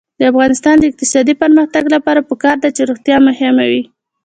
د افغانستان د اقتصادي پرمختګ لپاره پکار ده چې روغتیا مهمه وي.